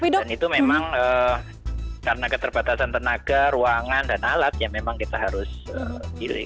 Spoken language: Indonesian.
dan itu memang karena keterbatasan tenaga ruangan dan alat ya memang kita harus pilih